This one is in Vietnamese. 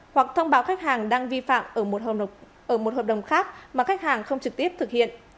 hoặc thông báo khách hàng đang vi phạm ở một hợp đồng khác mà khách hàng không trực tiếp thực hiện